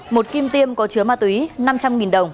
một kim tiêm có chứa ma túy năm trăm linh đồng